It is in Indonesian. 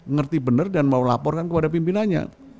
ngerti benar dan mau laporkan kepada pimpinannya